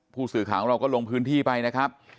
ผู้สื่อข่าวของเราก็ลงพื้นที่ไปนะครับ